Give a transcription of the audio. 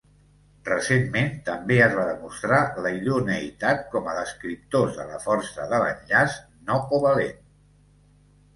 Recentment, també es va demostrar la idoneïtat com a descriptors de la força de l'enllaç no covalent.